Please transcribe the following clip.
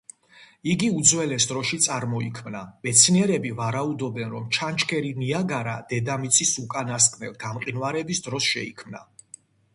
იგი უძველეს დროში წარმოიქმნა, მეცნიერები ვარაუდობენ რომ ჩანჩქერი ნიაგარა დედამიწის უკანასკნელ გამყინვარების დროს შეიქმნა.